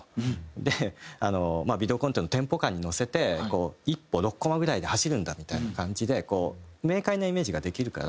でまあビデオコンテのテンポ感に乗せて１歩６コマぐらいで走るんだみたいな感じでこう明快なイメージができるから。